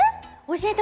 教えて！